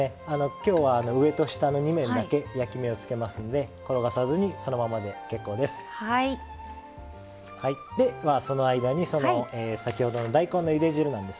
今日は上と下の２面だけ焼き目をつけますので転がさずにそのままで結構です。